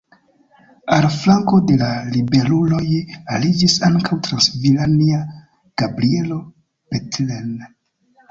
Al flanko de la ribeluloj aliĝis ankaŭ transilvania Gabrielo Bethlen.